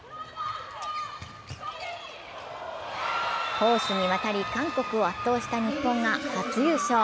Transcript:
攻守にわたり韓国を圧倒した日本が初優勝。